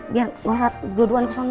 biar gak usah dua duanya kesana